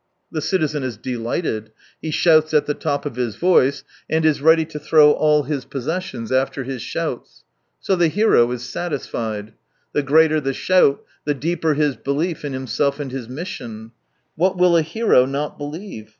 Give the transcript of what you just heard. The citizen is delighted, he shouts at the top of his voice, and is ready to throw i6o all his possessions after his shouts. So the hero is satisfied. The greater the shout, the deeper his belief in himself and his mission. What will a hero not believe